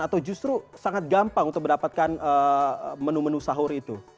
atau justru sangat gampang untuk mendapatkan menu menu sahur itu